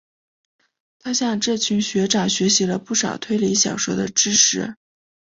他向这群学长学习了不少推理小说的知识。